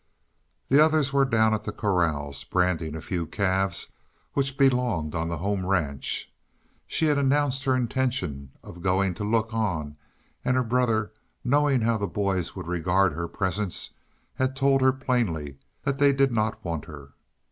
The others were down at the corrals, branding a few calves which belonged on the home ranch. She had announced her intention of going to look on, and her brother, knowing how the boys would regard her presence, had told her plainly that they did not want her.